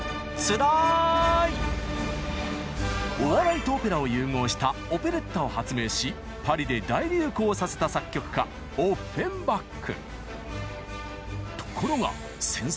お笑いとオペラを融合した「オペレッタ」を発明しパリで大流行させた作曲家オッフェンバック。